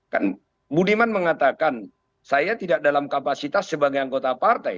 kan budiman mengatakan saya tidak dalam kapasitas sebagai anggota partai